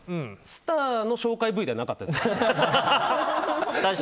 スターの紹介Ｖではなかったですね。